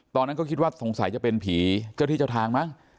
ตอนนั้นก็คิดว่าสงสัยจะเป็นผีเจ้าที่เจ้าทางมั้ง